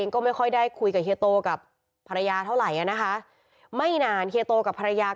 ก็ตามภรราศน